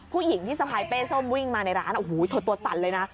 ผู้หญิงที่สะพายเป้ส้มวิ่งมาในร้านโอ้โหเธอตัวสั่นเลยนะ